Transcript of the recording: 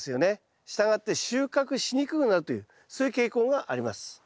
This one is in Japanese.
したがって収穫しにくくなるというそういう傾向があります。